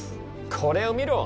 これを見ろ！